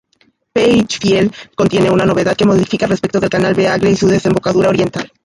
P. Hitchfield, contiene una novedad que modifica respecto del canal Beagle y su desembocadura oriental.